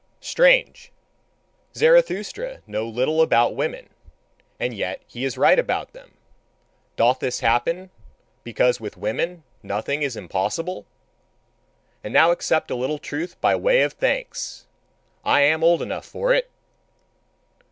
Strange! Zarathustra knoweth little about woman, and yet he is right about them! Doth this happen, because with women nothing is impossible? And now accept a little truth by way of thanks! I am old enough for it!